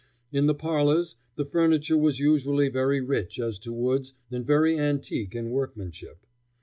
In the parlors the furniture was usually very rich as to woods and very antique in workmanship.